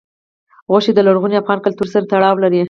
غوښې د لرغوني افغان کلتور سره تړاو لري.